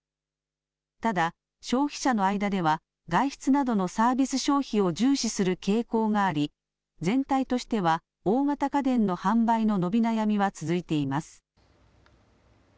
ただ消費者の間では外出などのサービス消費を重視する傾向があり全体としては大型家電の販売の伸び悩みは続いています。